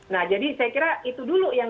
nah jadi saya kira itu dulu yang